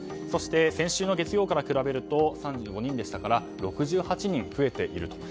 そして先週の月曜から比べると３５人でしたから６８人増えています。